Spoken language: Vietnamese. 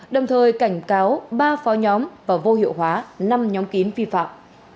đồng thời cảnh cáo ba phó nhóm và vô hiệu hóa năm nhóm kín vi phạm